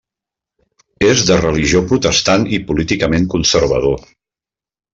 És de religió protestant i políticament conservador.